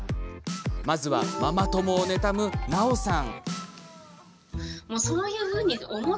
まずは、ママ友を妬む、なおさん。